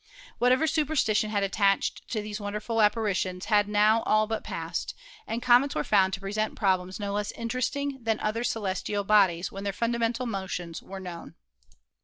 What ever superstition had attached to these wonderful appa ritions had now all but passed, and comets were found to present problems no less interesting than other celestial "bodies when their fundamental motions were known.